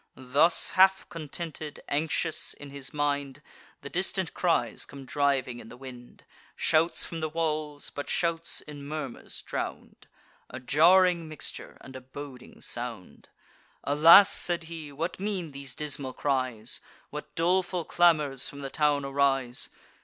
Thus half contented, anxious in his mind, The distant cries come driving in the wind, Shouts from the walls, but shouts in murmurs drown'd; A jarring mixture, and a boding sound. "Alas!" said he, "what mean these dismal cries? What doleful clamours from the town arise?"